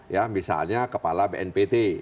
ya misalnya kepala bnpt